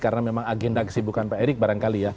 karena memang agenda kesibukan pak erik barangkali ya